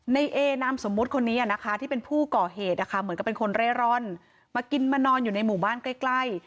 ในเอนามสมมุติคนนี้นะคะที่เป็นผู้ก่อเหตุนะคะเหมือนกับเป็นคนเร่ร่อนมากินมานอนอยู่ในหมู่บ้านใกล้